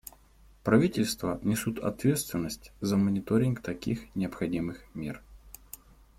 Правительства несут ответственность за мониторинг таких необходимых мер.